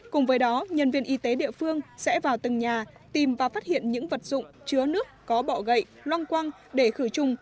cùng với đó nhân viên y tế địa phương sẽ vào từng nhà tìm và phát hiện những vật dụng chứa nước có bọ gậy long quăng để khử trùng